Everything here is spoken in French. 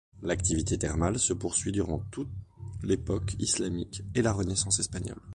L'activité thermale se poursuit durant tout l'époque islamique et la Renaissance espagnole.